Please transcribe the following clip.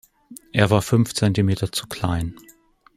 Er war fünf Zentimeter zu klein.